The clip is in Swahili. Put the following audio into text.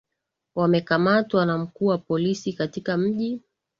wamekamatwa na mkuu wa polisi katika mji